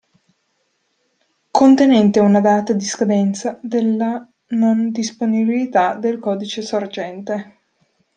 Contenente una data di scadenza della non disponibilità del codice sorgente.